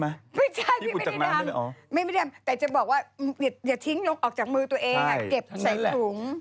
ไม่ใช่ไม่ได้ทำไม่ได้แต่จะบอกว่าอย่าทิ้งลงออกจากมือตัวเองเก็บใส่ถุง